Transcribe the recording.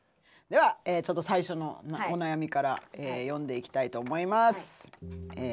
ではちょっと最初のお悩みから読んでいきたいと思います。